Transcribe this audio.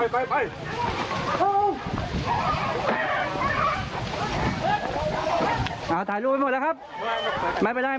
ข้างลงข้างลงไปไปไปข้างลง